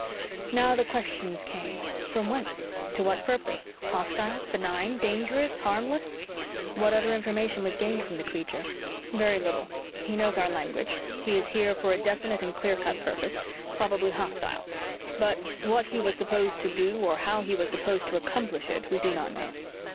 Now the questions came. From whence? To what purpose? Hostile? Benign? Dangerous? Harmless? "What other information was gained from the creature?" "Very little. He knows our language. He is here for a definite and clear cut purpose. Probably hostile. But what he was supposed to do or how he was supposed to accomplish it we do not know."